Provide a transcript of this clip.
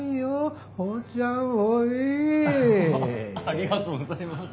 ありがとうございます。